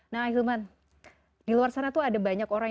nah hilman di luar sana tuh ada banyak orang